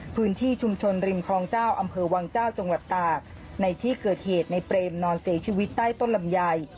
พื้นที่ชุมชนริมคลองเจ้าอำเภอวังเจ้าจังหวัดตากในที่เกิดเหตุในเปรมนอนเสียชีวิตใต้ต้นลำไย